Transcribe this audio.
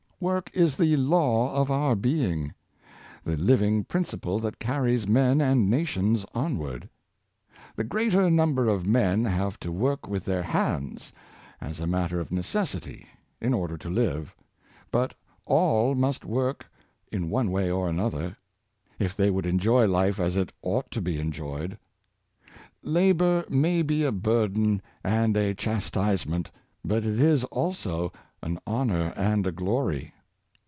Work is the law of our being — the living principle that carries men and nations onward. The greater number of men have to work with their hands, as a matter of necessity, in order to live, but all must work in one way or another, if they would enjoy life as it ought to be enjoyed. Labor may be a burden and a chastisement, but it is also an honor and a glory.